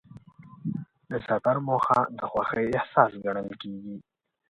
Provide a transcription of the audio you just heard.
د سفر موخه د خوښۍ احساس ګڼل کېږي.